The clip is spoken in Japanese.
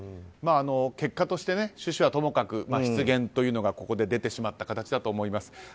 結果として、趣旨はともかく失言というのがここで出てしまった形だと思います。